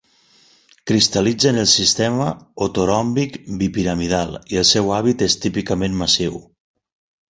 Cristal·litza en el sistema ortoròmbic bipiramidal i el seu hàbit és típicament massiu.